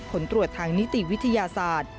ผลตรวจทางนิติวิทยาศาสตร์